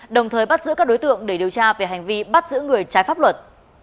đồng thời bắt giữ các đối tượng để điều tra về hành vi bắt giữ người trái pháp luật